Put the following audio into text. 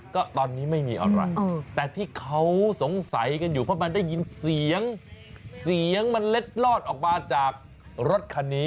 ก็ตอนนี้ไม่มีอะไรแต่ที่เขาสงสัยกันอยู่เพราะมันได้ยินเสียงเสียงมันเล็ดลอดออกมาจากรถคันนี้